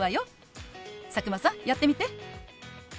佐久間さんやってみて。